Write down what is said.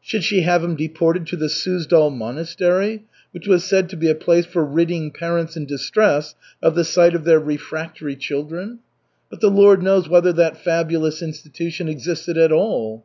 Should she have him deported to the Suzdal Monastery, which was said to be a place for ridding parents in distress of the sight of their refractory children? But the Lord knows whether that fabulous institution existed at all.